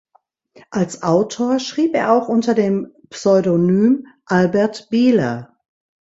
Als Autor schrieb er auch unter dem Pseudonym "Albert Bieler".